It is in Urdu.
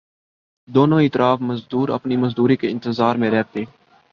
دونوں اطراف مزدور اپنی مزدوری کے انتظار میں رہتے